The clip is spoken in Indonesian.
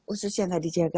ususnya tidak dijaga